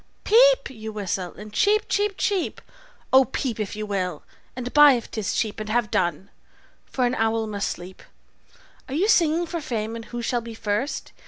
`Peep!' you whistle, and `cheep! cheep! cheep!' Oh, peep, if you will, and buy, if 'tis cheap, And have done; for an owl must sleep. Are ye singing for fame, and who shall be first?